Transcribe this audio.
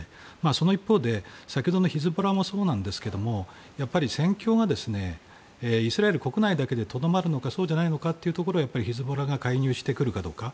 その一方で先ほどのヒズボラもそうなんですけども戦況がイスラエル国内だけでとどまるのかそうじゃないのかというところはヒズボラが介入してくるかどうか。